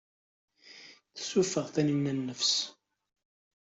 Tessuffeɣ-d Taninna nnefs.